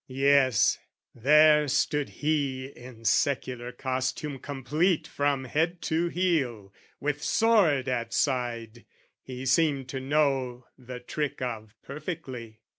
Yes, there stood he in secular costume Complete from head to heel, with sword at side, He seemed to know the trick of perfectly.